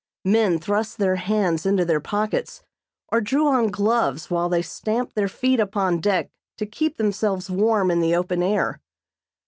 Men thrust their hands into their pockets, or drew on gloves while they stamped their feet upon deck to keep themselves warm in the open air.